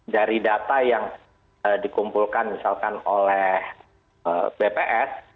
dari data yang dikumpulkan misalkan oleh bps